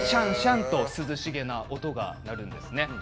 シャンシャンと涼しげな音が鳴るんです。